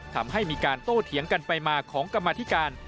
ทำให้มีการโต้เถียงกันไปมาของกรรมธิการ